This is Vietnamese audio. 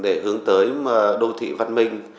để hướng tới đô thị văn minh